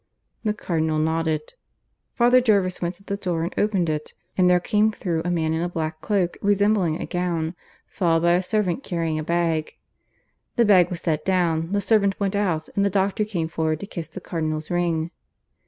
The Cardinal nodded. Father Jervis went to the door and opened it, and there came through a man in a black cloak, resembling a gown, followed by a servant carrying a bag. The bag was set down, the servant went out, and the doctor came forward to kiss the Cardinal's ring.